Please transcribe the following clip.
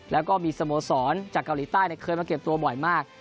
แล้วก็มีสโมสรจากเกาหลีใต้เคยมาเก็บตัวบ่อยมาก